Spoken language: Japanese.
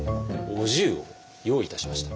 お重を用意いたしました。